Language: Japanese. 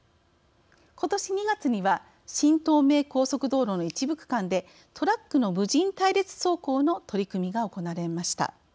ことし２月には新東名高速道路の一部区間でトラックの無人隊列走行の取り組みが行われました。